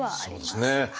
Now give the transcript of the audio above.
そうですね。